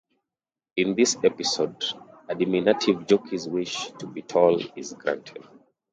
In this episode, a diminutive jockey's wish to be tall is granted.